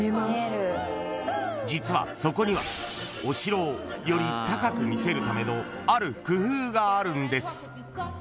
［実はそこにはお城をより高く見せるためのある工夫があるんです］